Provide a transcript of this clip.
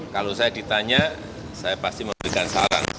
kalau saya ditanya saya pasti memberikan saran